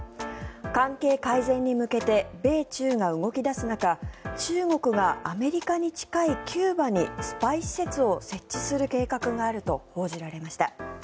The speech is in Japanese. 関係改善に向けて米中が動き出す中中国がアメリカに近いキューバにスパイ施設を設置する計画があると報じられました。